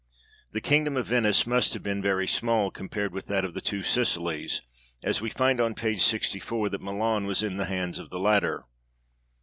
] 2 [The Kingdom of Venice must have been very small compared 'with that of the Two Sicilies, as we find on p. 64 that Milan was in the hands of the latter.